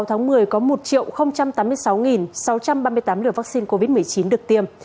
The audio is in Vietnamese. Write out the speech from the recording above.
sáu tháng một mươi có một tám mươi sáu sáu trăm ba mươi tám liều vaccine covid một mươi chín được tiêm